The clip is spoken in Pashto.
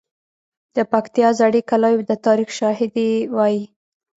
د پکتیا زړې کلاوې د تاریخ شاهدي وایي.